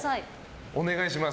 お願いします。